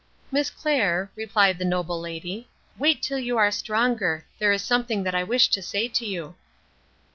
"Miss Clair," replied the noble lady, "wait till you are stronger. There is something that I wish to say to you."